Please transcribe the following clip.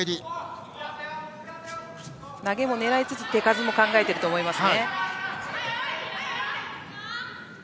投げも狙いつつ手数も考えていると思います。